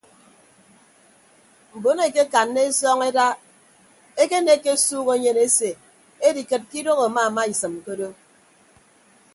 Mbon eekekanna esọñeda ekenekke esuuk enyen ese edikịd ke idooho amaamaisịm ke odo.